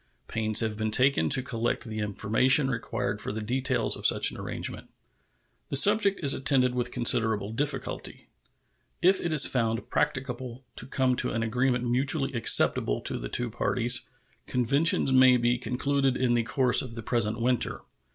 Pains have been taken to collect the information required for the details of such an arrangement. The subject is attended with considerable difficulty. If it is found practicable to come to an agreement mutually acceptable to the two parties, conventions may be concluded in the course of the present winter.